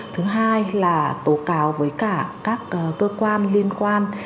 thứ hai là tố cáo với cả các cơ quan liên quan